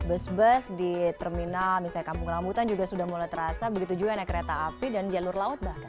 bus bus di terminal misalnya kampung rambutan juga sudah mulai terasa begitu juga naik kereta api dan jalur laut bahkan